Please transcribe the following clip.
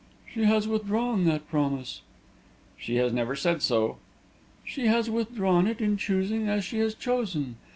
"She has withdrawn that promise." "She has never said so." "She has withdrawn it in choosing as she has chosen.